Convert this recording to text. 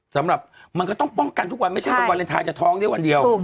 สำหรับมันก็ต้องป้องกันทุกวันไม่ใช่วันวาเลนไทยจะท้องได้วันเดียว